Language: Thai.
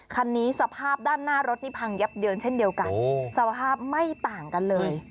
คันนี้สภาพด้านหน้ารถนี่พังยับเยินเช่นเดียวกันสภาพไม่ต่างกันเลย